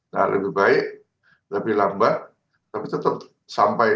nah lebih baik lebih lambat tapi tetap sampai